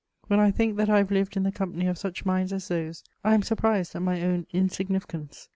When I think that I have lived in the company of such minds as those, I am surprised at my own insignificance.